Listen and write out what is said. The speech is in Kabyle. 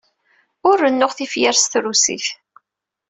Ur rennuɣ tifyar s trusit.